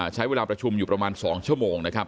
ใช้เวลาประชุมอยู่ประมาณ๒ชั่วโมงนะครับ